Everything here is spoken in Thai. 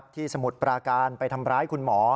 สมุทรปราการไปทำร้ายคุณหมอ